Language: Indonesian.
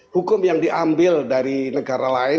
hukum yang diambil dari negara lain